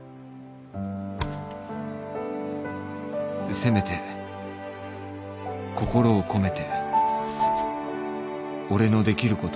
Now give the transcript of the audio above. せめて心を込めて俺のできることを